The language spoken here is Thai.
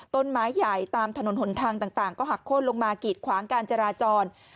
ต้นไม้ใหญ่ตามถนนหนทางต่างก็หักโค้นลงมากีดขวางการจราจร